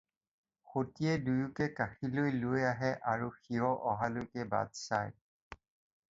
সতীয়ে দুয়োকে কাশীলৈ লৈ আহে আৰু শিৱ অহালৈ বাট চায়।